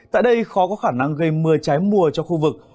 tại đây khó có khả năng gây mưa trái mùa cho khu vực